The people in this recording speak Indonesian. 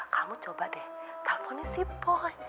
kamu coba deh telfonin si boy